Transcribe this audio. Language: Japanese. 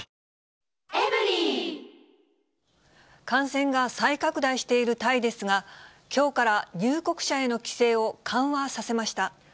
感染が再拡大しているタイですが、きょうから入国者への規制を緩和させました。